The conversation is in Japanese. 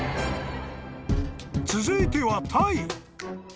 ［続いては］